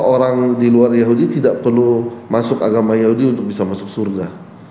orang di luar yahudi tidak perlu masuk agama yahudi untuk bisa masuk surga